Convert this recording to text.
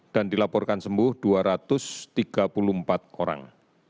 dan dilaporkan sembuh dua ratus tiga puluh empat orang